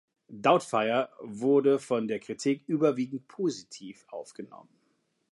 Doubtfire" wurde von der Kritik überwiegend positiv aufgenommen.